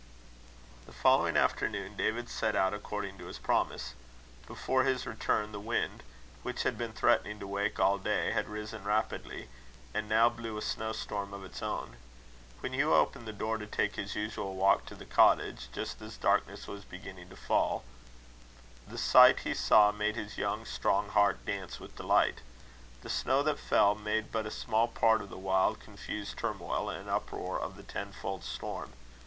The following afternoon, David set out according to his promise. Before his return, the wind, which had been threatening to wake all day, had risen rapidly, and now blew a snowstorm of its own. When Hugh opened the door to take his usual walk to the cottage, just as darkness was beginning to fall, the sight he saw made his young strong heart dance with delight. The snow that fell made but a small part of the wild, confused turmoil and uproar of the ten fold storm.